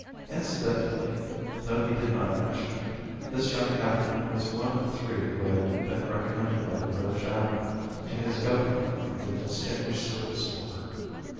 Incidentally, though he did not mention it, this young captain was one of three who had been recommended by the British admiral to his government for the Distinguished Service Order.